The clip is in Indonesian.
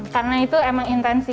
karena itu emang intensif